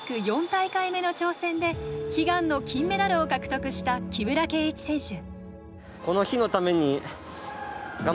４大会目の挑戦で悲願の金メダルを獲得した木村敬一選手。